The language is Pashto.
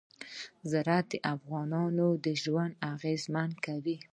زراعت د افغانانو ژوند اغېزمن کوي.